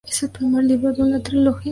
Es el primer libro de una trilogía.